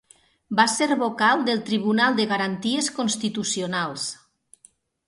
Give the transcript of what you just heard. Va ser vocal del Tribunal de Garanties Constitucionals.